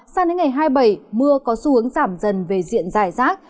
sang đến ngày hai mươi bảy mưa có xu hướng giảm dần về diện dài rác